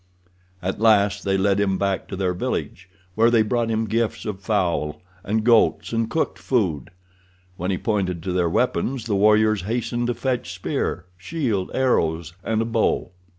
At last they led him back to their village, where they brought him gifts of fowl, and goats, and cooked food. When he pointed to their weapons the warriors hastened to fetch spear, shield, arrows, and a bow.